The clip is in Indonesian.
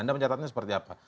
anda mencatatnya seperti apa